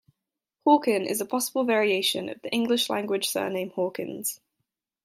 Hawken is a possible variation of the English language surname "Hawkins".